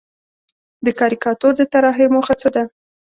د کاریکاتور د طراحۍ موخه څه ده؟